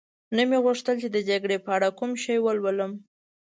نه مې غوښتل چي د جګړې په اړه کوم شی ولولم.